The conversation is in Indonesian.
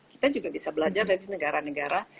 kita juga bisa belajar dari negara negara